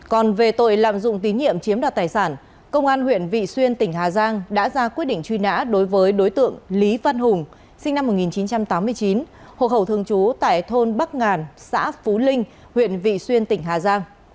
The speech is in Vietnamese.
còn về tội lạm dụng tín nhiệm chiếm đoạt tài sản công an huyện vị xuyên tỉnh hà giang đã ra quyết định truy nã đối với đối tượng lý văn hùng sinh năm một nghìn chín trăm tám mươi chín hộ khẩu thường trú tại thôn bắc ngàn xã phú linh huyện vị xuyên tỉnh hà giang